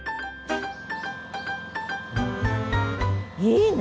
いいね